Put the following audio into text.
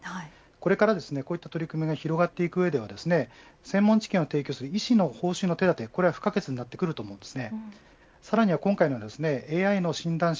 これから、こういった取り組みが広がっていく上では専門知識を提供する医師の報酬の手当が不可欠になると思います。